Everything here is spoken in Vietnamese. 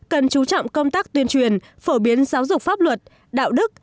cần chú trọng công tác tuyên truyền phổ biến giáo dục pháp luật đạo đức